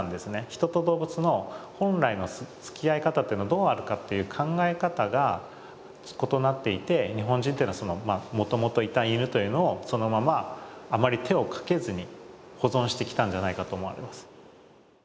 人と動物の本来のつきあい方っていうのがどうあるかっていう考え方が異なっていて日本人っていうのはもともといた犬というのをそのままあまり手をかけずに保存してきたんじゃないかと思われます。